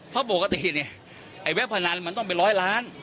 เพราะปกติเนี่ยไอ้เว็บพนันมันต้องเป็นร้อยล้าน